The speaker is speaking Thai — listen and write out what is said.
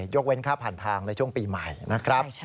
ยกเว้นค่าผ่านทางในช่วงปีใหม่นะครับ